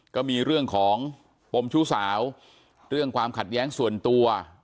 ก็มีเรื่องของปมชู้สาวเรื่องความขัดแย้งส่วนตัว